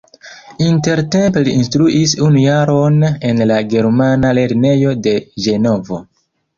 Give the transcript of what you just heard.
Intertempe li instruis unu jaron en la germana lernejo de Ĝenovo.